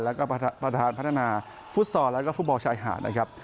แล้วก็ประธานพัฒนาฟุตซอลแล้วก็ฟุตบอลชายหาดนะครับ